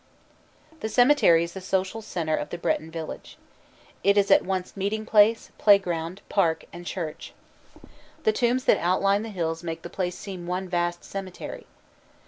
The cemetery is the social center of the Breton village. It is at once meeting place, playground, park, and church. The tombs that outline the hills make the place seem one vast cemetery.